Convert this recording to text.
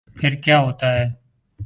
پھر کیا ہوتا ہے۔